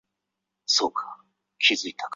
张骘开始是段业的属官。